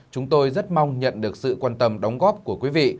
chúng tôi rất mong nhận được sự quan tâm đóng góp của quý vị